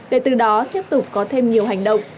để từ đó tiếp tục có thêm nhiều hành động